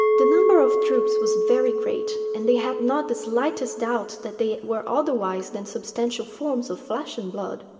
The number of troops was very great, and they had not the slightest doubt that they were otherwise than substantial forms of flesh and blood.